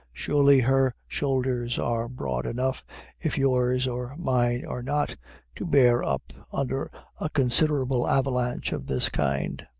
Surely her shoulders are broad enough, if yours or mine are not, to bear up under a considerable avalanche of this kind.